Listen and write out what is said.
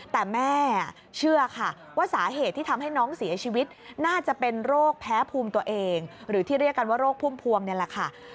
แต่แม่เชื่อค่ะว่าสาเหตุที่ทำให้น้องเสียชีวิตน่าจะเป็นโรคแพ้ภูมิตัวเองหรือที่เรียกกันว่าโรคพุ่มพวงนี่แหละค่ะ